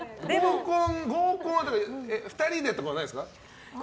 合コンは２人でとかはないんですか？